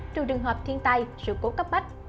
trừ trường hợp thiên tai sự cố cấp bách